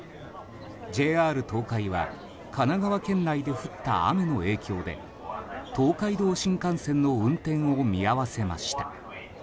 ＪＲ東海は神奈川県内で降った雨の影響で東海道新幹線の運転を見合わせました。